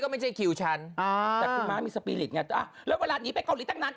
ไม่ใช่คิวฉันอ่าแต่คุณม้ามีสปีริตไงแล้วเวลาหนีไปเกาหลีตั้งนั้น